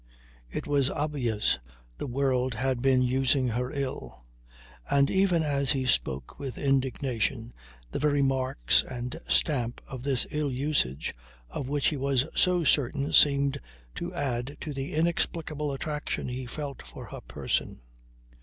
It was obvious the world had been using her ill. And even as he spoke with indignation the very marks and stamp of this ill usage of which he was so certain seemed to add to the inexplicable attraction he felt for her person.